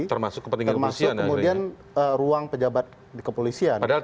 termasuk kemudian ruang pejabat di kepolisian